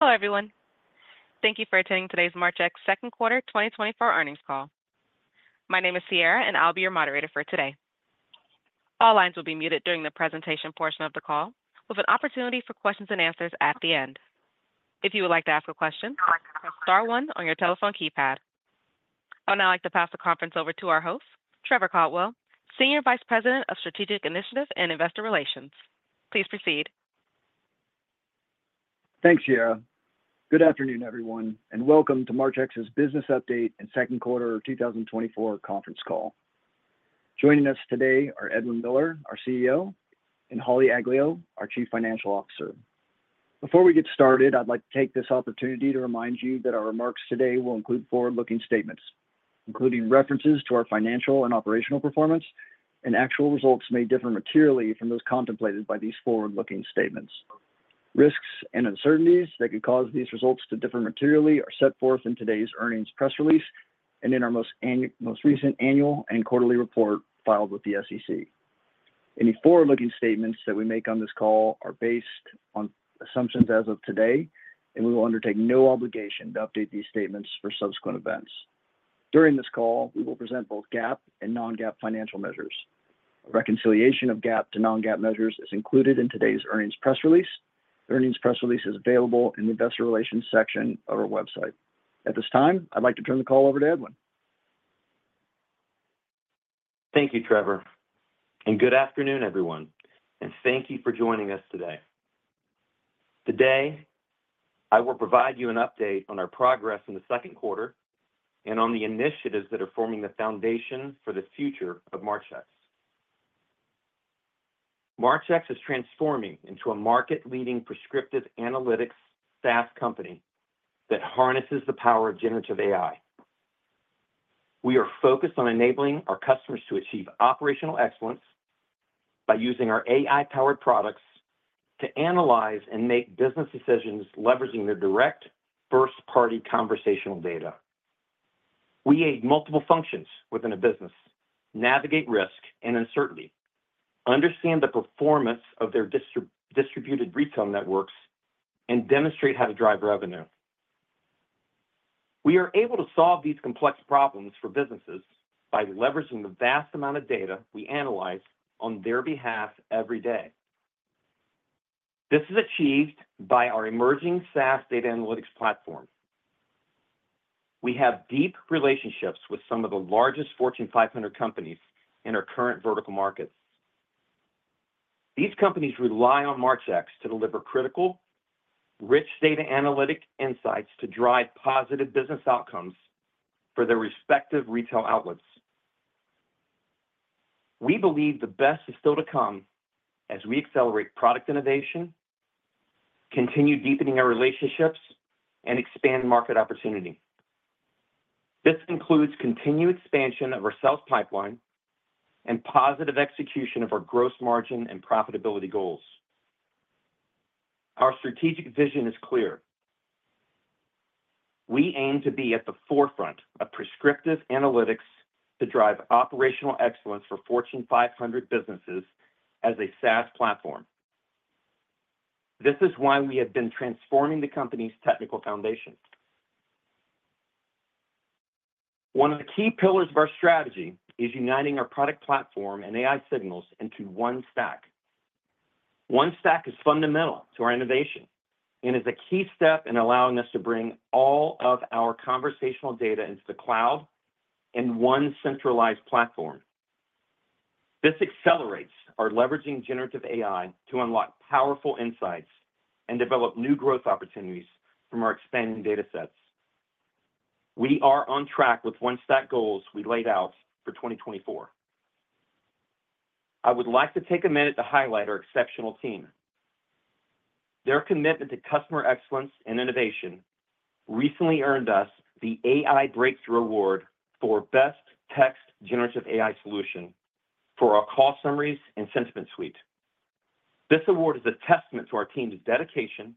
Hello, everyone. Thank you for attending today's Marchex second quarter 2024 earnings call. My name is Sierra, and I'll be your moderator for today. All lines will be muted during the presentation portion of the call, with an opportunity for questions and answers at the end. If you would like to ask a question, press star one on your telephone keypad. I would now like to pass the conference over to our host, Trevor Caldwell, Senior Vice President of Strategic Initiatives and Investor Relations. Please proceed. Thanks, Sierra. Good afternoon, everyone, and welcome to Marchex's business update and second quarter of 2024 conference call. Joining us today are Edwin Miller, our CEO, and Holly Aglio, our Chief Financial Officer. Before we get started, I'd like to take this opportunity to remind you that our remarks today will include forward-looking statements, including references to our financial and operational performance, and actual results may differ materially from those contemplated by these forward-looking statements. Risks and uncertainties that could cause these results to differ materially are set forth in today's earnings press release and in our most recent annual and quarterly report filed with the SEC. Any forward-looking statements that we make on this call are based on assumptions as of today, and we will undertake no obligation to update these statements for subsequent events. During this call, we will present both GAAP and non-GAAP financial measures. A reconciliation of GAAP to non-GAAP measures is included in today's earnings press release. The earnings press release is available in the Investor Relations section of our website. At this time, I'd like to turn the call over to Edwin. Thank you, Trevor, and good afternoon, everyone, and thank you for joining us today. Today, I will provide you an update on our progress in the second quarter and on the initiatives that are forming the foundation for the future of Marchex. Marchex is transforming into a market-leading prescriptive analytics SaaS company that harnesses the power of generative AI. We are focused on enabling our customers to achieve operational excellence by using our AI-powered products to analyze and make business decisions, leveraging their direct first-party conversational data. We aid multiple functions within a business, navigate risk and uncertainty, understand the performance of their distributed retail networks, and demonstrate how to drive revenue. We are able to solve these complex problems for businesses by leveraging the vast amount of data we analyze on their behalf every day. This is achieved by our emerging SaaS data analytics platform. We have deep relationships with some of the largest Fortune 500 companies in our current vertical markets. These companies rely on Marchex to deliver critical, rich data analytic insights to drive positive business outcomes for their respective retail outlets. We believe the best is still to come as we accelerate product innovation, continue deepening our relationships, and expand market opportunity. This includes continued expansion of our sales pipeline and positive execution of our gross margin and profitability goals. Our strategic vision is clear. We aim to be at the forefront of prescriptive analytics to drive operational excellence for Fortune 500 businesses as a SaaS platform. This is why we have been transforming the company's technical foundation. One of the key pillars of our strategy is uniting our product platform and AI signals into One Stack. One Stack is fundamental to our innovation and is a key step in allowing us to bring all of our conversational data into the cloud in one centralized platform. This accelerates our leveraging generative AI to unlock powerful insights and develop new growth opportunities from our expanding datasets. We are on track with One Stack goals we laid out for 2024. I would like to take a minute to highlight our exceptional team. Their commitment to customer excellence and innovation recently earned us the AI Breakthrough Award for Best Text Generative AI Solution for our Call Summaries and Sentiment Suite. This award is a testament to our team's dedication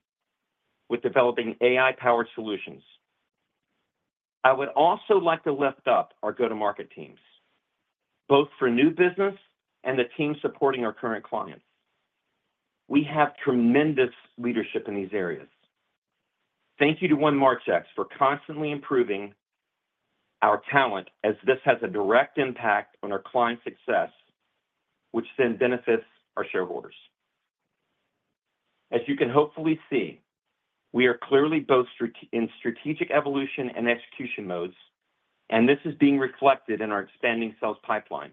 with developing AI-powered solutions. I would also like to lift up our go-to-market teams, both for new business and the team supporting our current clients. We have tremendous leadership in these areas. Thank you to One Stack for constantly improving our talent, as this has a direct impact on our client success, which then benefits our shareholders. As you can hopefully see, we are clearly both in strategic evolution and execution modes, and this is being reflected in our expanding sales pipeline.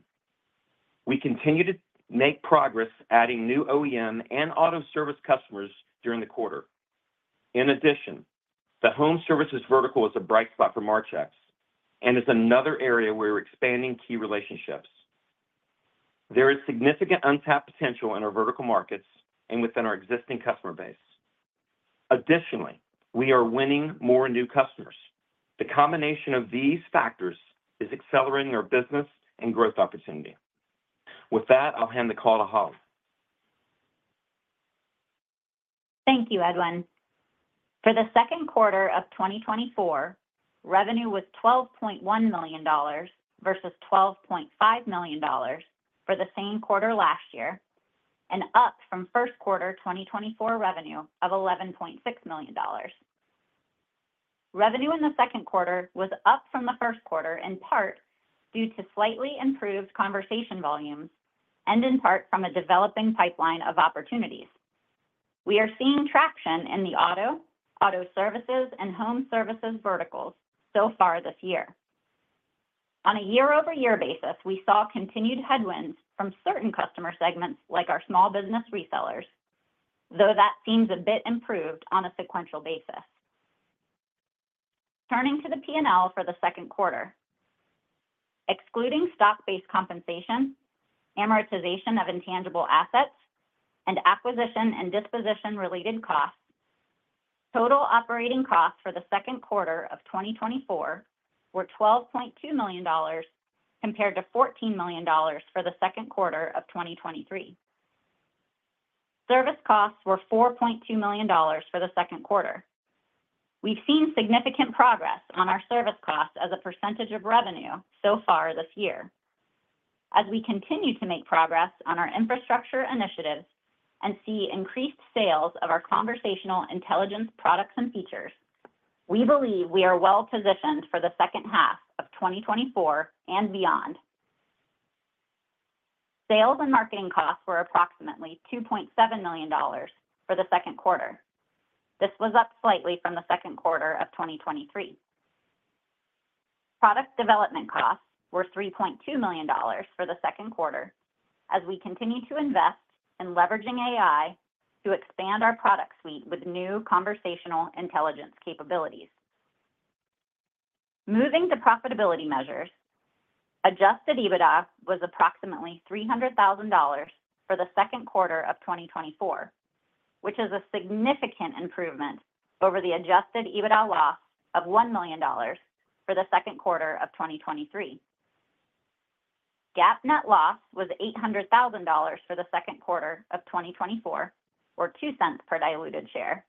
We continue to make progress adding new OEM and Auto Services customers during the quarter. In addition, the home services vertical is a bright spot for Marchex and is another area where we're expanding key relationships. There is significant untapped potential in our vertical markets and within our existing customer base. Additionally, we are winning more new customers. The combination of these factors is accelerating our business and growth opportunity. With that, I'll hand the call to Holly. Thank you, Edwin. For the second quarter of 2024, revenue was $12.1 million versus $12.5 million for the same quarter last year, and up from first quarter 2024 revenue of $11.6 million. Revenue in the second quarter was up from the first quarter, in part due to slightly improved conversation volumes, and in part from a developing pipeline of opportunities. We are seeing traction in the auto, Auto Services, and home services verticals so far this year. On a year-over-year basis, we saw continued headwinds from certain customer segments, like our small business resellers, though that seems a bit improved on a sequential basis. Turning to the P&L for the second quarter. Excluding stock-based compensation, amortization of intangible assets, and acquisition and disposition-related costs, total operating costs for the second quarter of 2024 were $12.2 million, compared to $14 million for the second quarter of 2023. Service costs were $4.2 million for the second quarter. We've seen significant progress on our service costs as a percentage of revenue so far this year. As we continue to make progress on our infrastructure initiatives and see increased sales of our conversational intelligence products and features, we believe we are well-positioned for the second half of 2024 and beyond. Sales and marketing costs were approximately $2.7 million for the second quarter. This was up slightly from the second quarter of 2023. Product development costs were $3.2 million for the second quarter as we continue to invest in leveraging AI to expand our product suite with new conversational intelligence capabilities. Moving to profitability measures, adjusted EBITDA was approximately $300,000 for the second quarter of 2024, which is a significant improvement over the adjusted EBITDA loss of $1 million for the second quarter of 2023. GAAP net loss was $800,000 for the second quarter of 2024, or $0.02 per diluted share.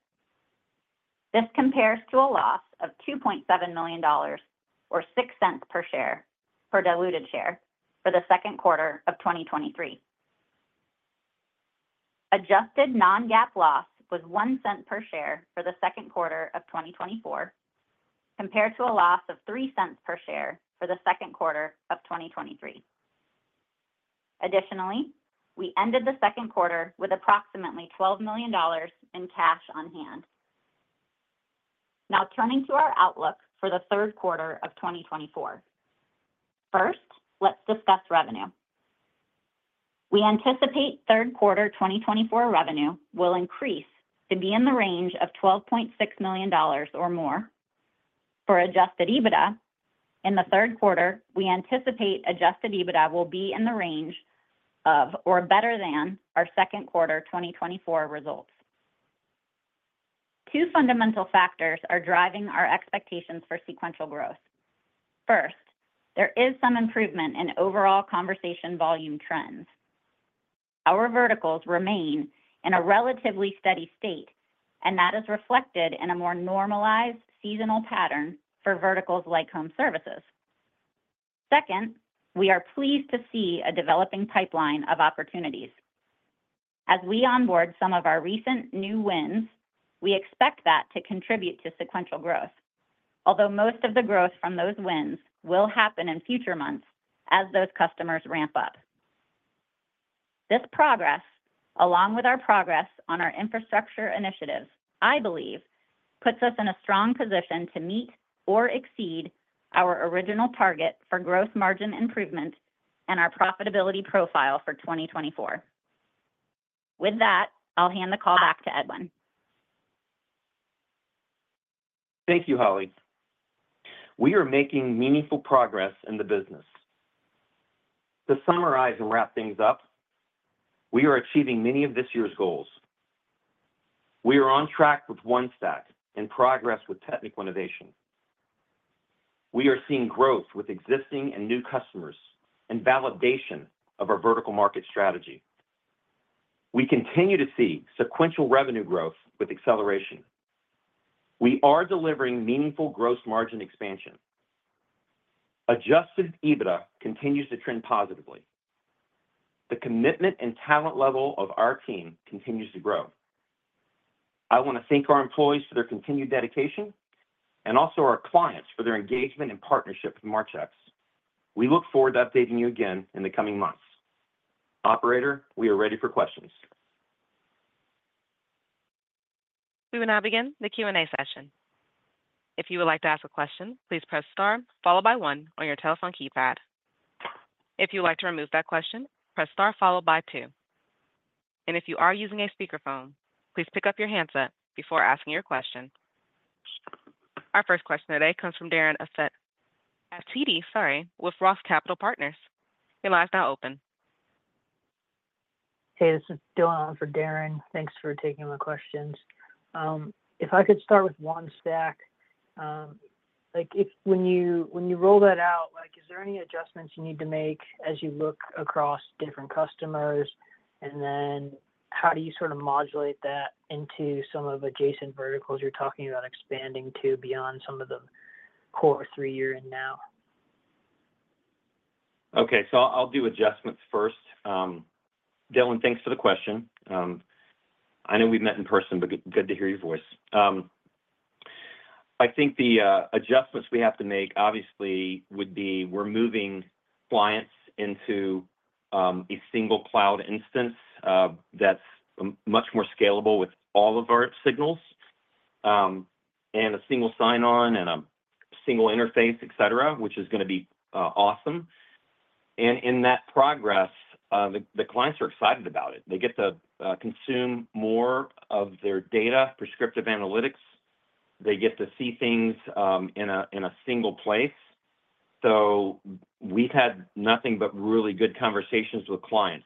This compares to a loss of $2.7 million, or $0.06 per diluted share, for the second quarter of 2023. Adjusted non-GAAP loss was $0.01 per share for the second quarter of 2024, compared to a loss of $0.03 per share for the second quarter of 2023. Additionally, we ended the second quarter with approximately $12 million in cash on hand. Now, turning to our outlook for the third quarter of 2024. First, let's discuss revenue. We anticipate third quarter 2024 revenue will increase to be in the range of $12.6 million or more. For Adjusted EBITDA, in the third quarter, we anticipate Adjusted EBITDA will be in the range of, or better than, our second quarter 2024 results. Two fundamental factors are driving our expectations for sequential growth. First, there is some improvement in overall conversation volume trends. Our verticals remain in a relatively steady state, and that is reflected in a more normalized seasonal pattern for verticals like home services. Second, we are pleased to see a developing pipeline of opportunities. As we onboard some of our recent new wins, we expect that to contribute to sequential growth, although most of the growth from those wins will happen in future months as those customers ramp up. This progress, along with our progress on our infrastructure initiatives, I believe, puts us in a strong position to meet or exceed our original target for gross margin improvement and our profitability profile for 2024. With that, I'll hand the call back to Edwin. Thank you, Holly. We are making meaningful progress in the business. To summarize and wrap things up, we are achieving many of this year's goals. We are on track with One Stack and progress with technical innovation. We are seeing growth with existing and new customers and validation of our vertical market strategy. We continue to see sequential revenue growth with acceleration. We are delivering meaningful gross margin expansion. Adjusted EBITDA continues to trend positively. The commitment and talent level of our team continues to grow. I want to thank our employees for their continued dedication, and also our clients for their engagement and partnership with Marchex. We look forward to updating you again in the coming months. Operator, we are ready for questions. We will now begin the Q&A session. If you would like to ask a question, please press star followed by one on your telephone keypad. If you would like to remove that question, press star followed by two. And if you are using a speakerphone, please pick up your handset before asking your question. Our first question today comes from Darren Aftahi at TD, sorry, with Roth Capital Partners. Your line is now open. Hey, this is Dillon in for Darren. Thanks for taking my questions. If I could start with One Stack. Like, when you roll that out, like, is there any adjustments you need to make as you look across different customers? And then how do you sort of modulate that into some of the adjacent verticals you're talking about expanding to beyond some of the core three you're in now?... Okay, so I'll do adjustments first. Dillon, thanks for the question. I know we've met in person, but good to hear your voice. I think the adjustments we have to make obviously would be we're moving clients into a single cloud instance that's much more scalable with all of our signals, and a single sign-on and a single interface, et cetera, which is gonna be awesome. And in that progress, the clients are excited about it. They get to consume more of their data, prescriptive analytics. They get to see things in a single place. So we've had nothing but really good conversations with clients.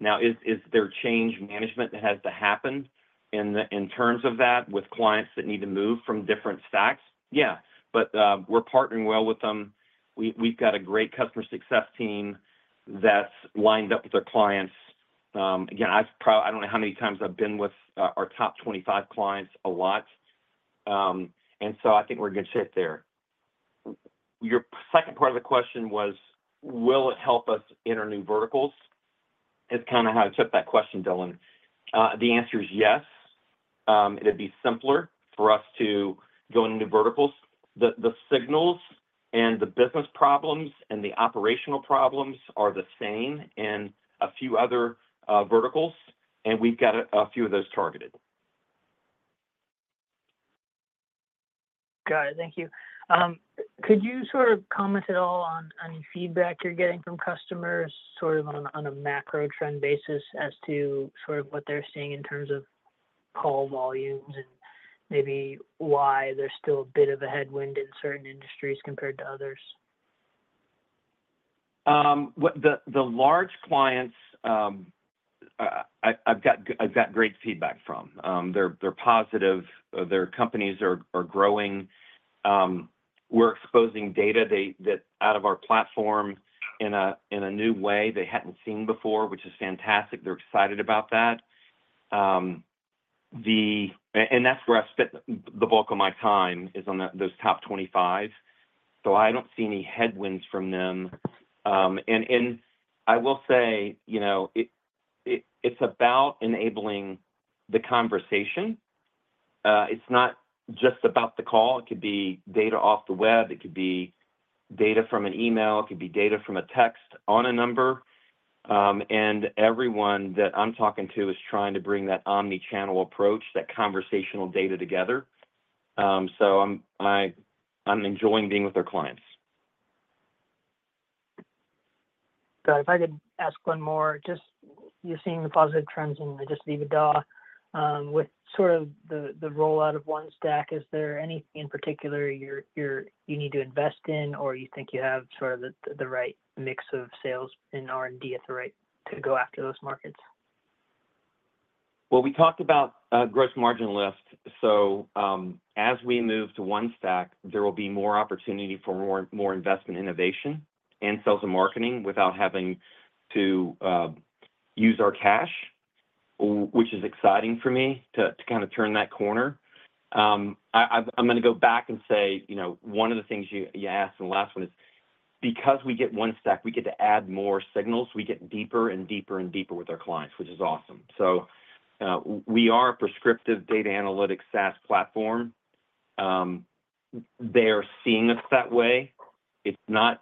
Now, is there change management that has to happen in terms of that, with clients that need to move from different stacks? Yeah. But, we're partnering well with them. We've got a great customer success team that's lined up with our clients. Again, I don't know how many times I've been with our top 25 clients a lot. And so I think we're in good shape there. Your second part of the question was, will it help us in our new verticals? It's kind of how I took that question, Dillon. The answer is yes. It'd be simpler for us to go into new verticals. The signals and the business problems and the operational problems are the same in a few other verticals, and we've got a few of those targeted. Got it. Thank you. Could you sort of comment at all on any feedback you're getting from customers, sort of on a macro trend basis as to sort of what they're seeing in terms of call volumes, and maybe why there's still a bit of a headwind in certain industries compared to others? Well, the large clients, I've got great feedback from. They're positive, their companies are growing. We're exposing data that out of our platform in a new way they hadn't seen before, which is fantastic. They're excited about that. And that's where I've spent the bulk of my time, is on those top 25, so I don't see any headwinds from them. And I will say, you know, it's about enabling the conversation. It's not just about the call. It could be data off the web, it could be data from an email, it could be data from a text on a number. And everyone that I'm talking to is trying to bring that omni-channel approach, that conversational data together. So, I'm enjoying being with our clients. So if I could ask one more, just, you're seeing the positive trends in just EBITDA, with sort of the rollout of One Stack, is there anything in particular you need to invest in, or you think you have sort of the right mix of sales in R&D at the right to go after those markets? Well, we talked about gross margin lift. So, as we move to One Stack, there will be more opportunity for more investment innovation in sales and marketing without having to use our cash, which is exciting for me to kinda turn that corner. I'm gonna go back and say, you know, one of the things you asked, and the last one is because we get One Stack, we get to add more signals. We get deeper and deeper and deeper with our clients, which is awesome. So, we are a prescriptive data analytics SaaS platform. They're seeing us that way. It's not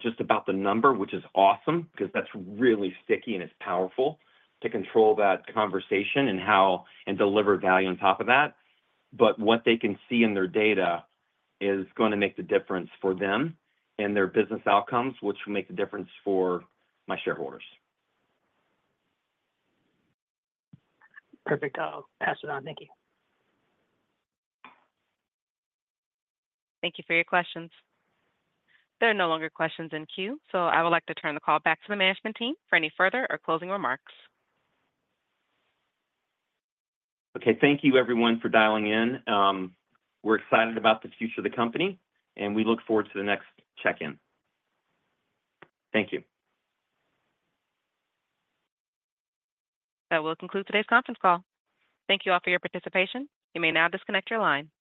just about the number, which is awesome, 'cause that's really sticky and it's powerful to control that conversation and how... and deliver value on top of that. But what they can see in their data is gonna make the difference for them and their business outcomes, which will make the difference for my shareholders. Perfect. I'll pass it on. Thank you. Thank you for your questions. There are no longer questions in queue, so I would like to turn the call back to the management team for any further or closing remarks. Okay. Thank you everyone for dialing in. We're excited about the future of the company, and we look forward to the next check-in. Thank you. That will conclude today's conference call. Thank you all for your participation. You may now disconnect your line.